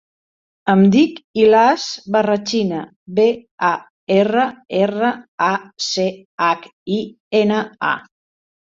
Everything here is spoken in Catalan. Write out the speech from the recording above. Em dic Ilyas Barrachina: be, a, erra, erra, a, ce, hac, i, ena, a.